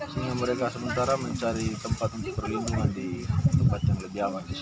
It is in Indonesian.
sehingga mereka sementara mencari tempat untuk perlindungan di tempat yang lebih aman